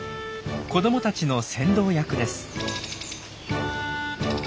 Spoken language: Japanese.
子どもたちの先導役です。